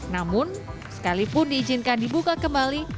namun sekalipun diizinkan dibuka kembali